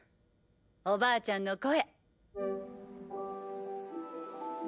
おばあちゃんの声。